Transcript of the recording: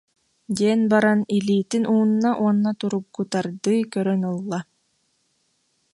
диэн баран илиитин уунна уонна тургутардыы көрөн ылла